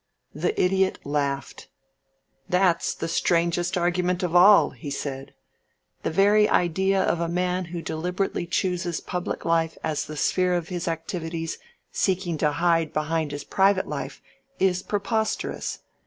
The Idiot laughed. "That's the strangest argument of all," he said. "The very idea of a man who deliberately chooses public life as the sphere of his activities seeking to hide behind his private life is preposterous.